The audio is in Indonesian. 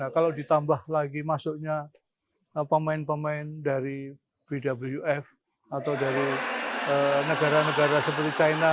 kalau ditambah lagi masuknya pemain pemain dari bwf atau dari negara negara seperti china